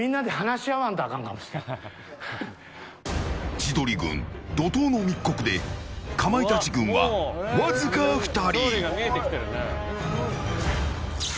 千鳥軍、怒涛の密告でかまいたち軍はわずか２人。